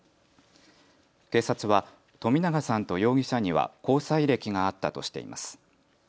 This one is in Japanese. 警察は冨永さんと容疑者には交際歴があったとしています。